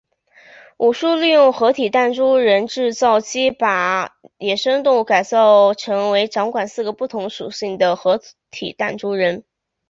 武殊利用合体弹珠人制造机把野生动物改造成为掌管四个不同属性的合体弹珠人。